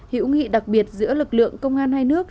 hữu nghị đặc biệt giữa lực lượng công an hai nước